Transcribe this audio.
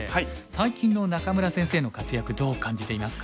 最近の仲邑先生の活躍どう感じていますか？